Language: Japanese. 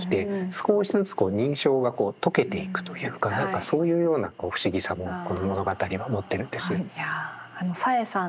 少しずつ人称が解けていくというか何かそういうような不思議さもこの物語は持っているんですよね。